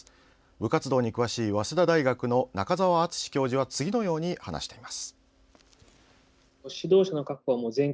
部活動に詳しい早稲田大学の中澤篤史教授は次のように話しています。